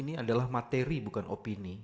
ini adalah materi bukan opini